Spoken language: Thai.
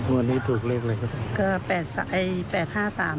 วันนี้ถูกเล็กอะไรคะ